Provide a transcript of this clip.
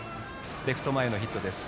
レフト前のヒットです。